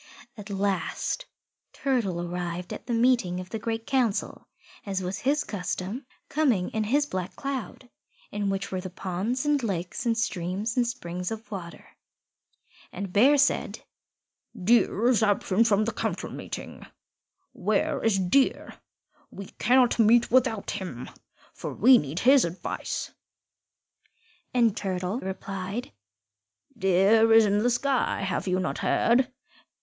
At last Turtle arrived at the meeting of the Great Council, as was his custom, coming in his Black Cloud, in which were the ponds and lakes and streams and springs of water. And Bear said, "Deer is absent from the Council meeting. Where is Deer? We cannot meet without him, for we need his advice." And Turtle replied, "Deer is in the sky. Have you not heard?